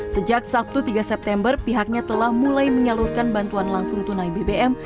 sejak sabtu tiga september pihaknya telah mulai menyalurkan bantuan langsung tunai bbm